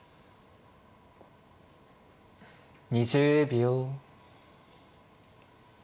２０秒。